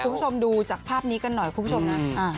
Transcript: คุณผู้ชมดูจากภาพนี้กันหน่อยคุณผู้ชมนะ